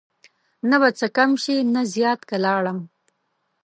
نه به څه کم شي نه زیات که لاړم